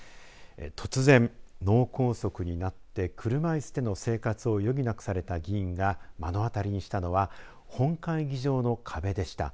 突然、脳梗塞になって車いすでの生活を余儀なくされた議員が目の当りにしたのは本会議場の壁でした。